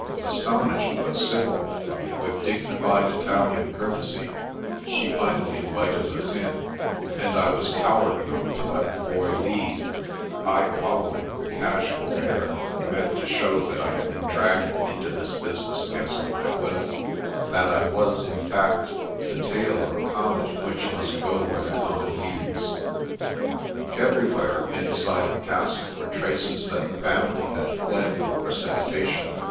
Astonished, but civil, with dignified Italian courtesy she finally Afternoon Calls 153 invited us in, and I was coward enough to let the Boy leady I following with a casual air, meant to show that I had been dragged into this business against my will; that. I was, in fact, the tail of a comet which must go where the comet leads. Everywhere, inside the castle, were traces that the family had fled with precipitation.